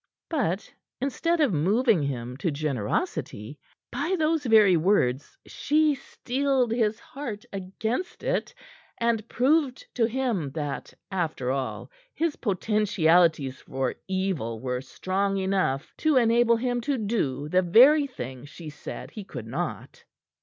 But instead of moving him to generosity, by those very words she steeled his heart against it, and proved to him that, after all, his potentialities for evil were strong enough to enable him to do the very thing she said he could not.